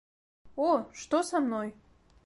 О, што са мной?